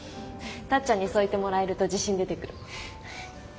タッちゃんにそう言ってもらえると自信出てくる。